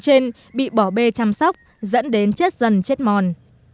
trên bị bỏ bê chăm sóc dẫn đến chết dần chết mòn